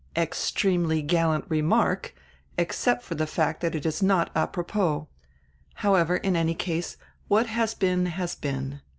"Extremely gallant remark, except for die fact that it is not apropos. However, in any case, what has been has been.